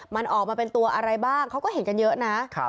มันออกมาเป็นตัวอะไรบ้างเขาก็เห็นกันเยอะนะ